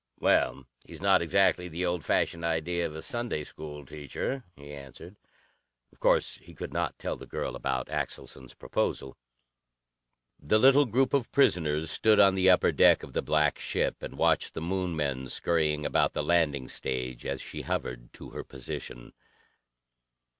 "Well, he's not exactly the old fashioned idea of a Sunday school teacher," he answered. Of course he could not tell the girl about Axelson's proposal. The little group of prisoners stood on the upper deck of the black ship and watched the Moon men scurrying about the landing stage as she hovered to her position.